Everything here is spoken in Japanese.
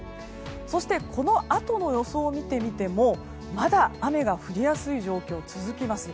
そして、このあとの予想を見てみてもまだ雨が降りやすい状況が続きます。